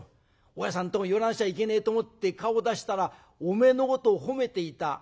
大家さんのとこに寄らなくちゃいけねえと思って顔出したらおめえのことを褒めていた。